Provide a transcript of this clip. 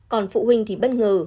còn phụ huynh thì bất ngờ